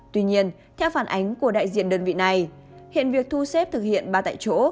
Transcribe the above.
tuy nhiên theo phản ánh của đại diện đơn vị này hiện việc thu xếp thực hiện ba tại chỗ